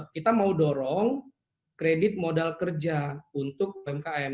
kita mau dorong kredit modal kerja untuk umkm